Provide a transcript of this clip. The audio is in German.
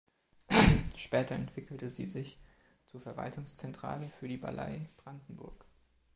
Später entwickelte sie sich zur Verwaltungszentrale für die Ballei Brandenburg.